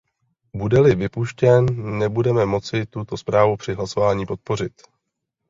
Bude-li vypuštěn, nebudeme moci tuto zprávu při hlasování podpořit.